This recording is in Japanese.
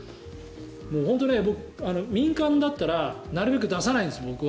本当に僕、民間だったらなるべく出さないんです。